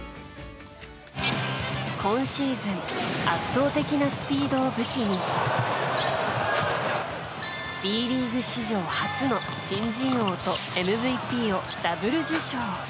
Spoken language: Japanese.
今シーズン圧倒的なスピードを武器にＢリーグ史上初の新人王とＭＶＰをダブル受賞。